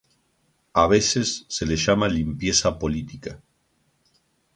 A veces se le llama limpieza política.